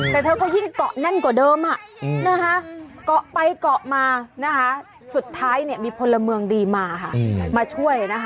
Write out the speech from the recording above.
แต่เธอก็ยิ่งเกาะแน่นกว่าเดิมอะนะฮะเกาะไปเกาะมาสุดท้ายมีพลเมืองดีมามาช่วยนะคะ